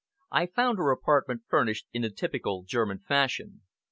I found her apartment furnished in the typical German fashion.